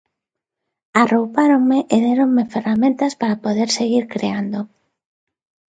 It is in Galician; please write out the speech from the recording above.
Arroupáronme e déronme ferramentas para poder seguir creando.